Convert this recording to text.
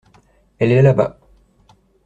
Elle est là-bas.